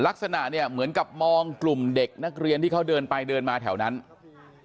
ลักษณะเนี่ยเหมือนกับมองกลุ่มเด็กนักเรียนที่เขาเดินไปเดินมาแถวนั้นอืม